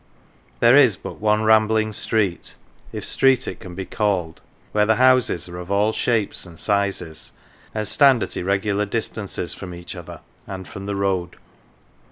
There is but one rambling street, if street it can be called, where the houses are of all shapes and sizes, and stand at irregular distances from each other and from the road.